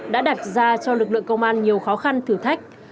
đã đặt ra cho lực lượng công an nhiều khó khăn thử thách